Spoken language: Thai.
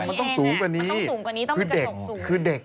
มันต้องสูงกว่านี้ต้องเป็นกระจกสูง